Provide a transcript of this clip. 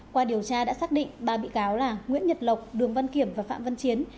qua điều tra đã xác định ba bị cáo là nguyễn nhật lộc đường văn kiểm và phạm văn chiến